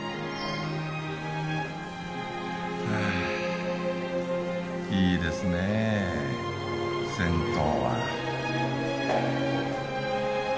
はあいいですねえ銭湯は。